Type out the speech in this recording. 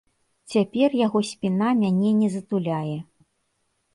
Цяпер яго спіна мяне не затуляе.